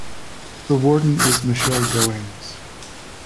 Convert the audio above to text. The Warden is Michelle Goings.